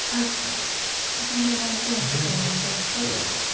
自分の断点をしっかりなくしてと。